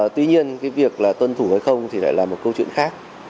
tuy nhiên cái việc là tuân thủ hay không thì lại là một câu chuyện khác